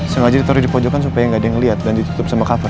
sengaja ditaruh di pojokan supaya gak ada yang melihat dan ditutup sama cover